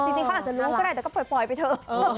จริงเขาอาจจะรู้ก็ได้แต่ก็ปล่อยไปเถอะ